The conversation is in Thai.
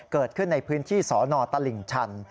เกิดขึ้นในพื้นที่สนตลิ่งชัน